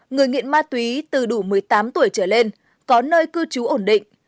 người nghiện ma túy từ đủ một mươi tám tuổi trở lên có nơi cư trú ổn định